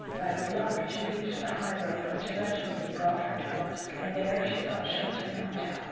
By good luck she reached the high road, which eventually brought her to Orsk; and there she sought shelter in a hotel.